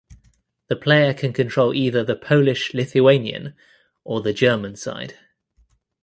The player can control either the Polish–Lithuanian or the German side.